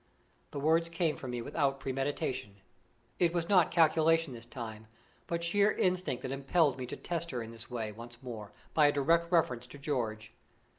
The words came from me without premeditation. It was not calculation this time, but sheer instinct that impelled me to test her in this way, once more, by a direct reference to George.